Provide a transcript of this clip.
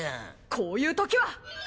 こういうときは。